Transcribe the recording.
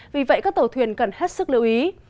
vì vậy các tàu thuyền cần hết sức lưu ý